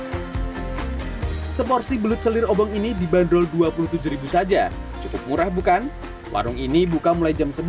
hai seporsi belut selir obong ini dibanderol dua puluh tujuh ribu saja cukup murah bukan warung ini buka mulai jam